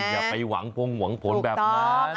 ใจหวังภูมิหวังผลแบบนั้น